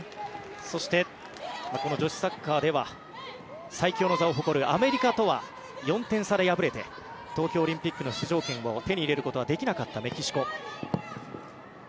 そしてこの女子サッカーでは最強の座を誇るアメリカとは４点差で敗れて東京オリンピックの出場権を手に入れることはできなかったメキシコ。